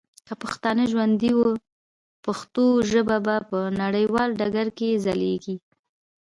که پښتانه ژوندي وه ، پښتو ژبه به په نړیوال ډګر کي ځلیږي.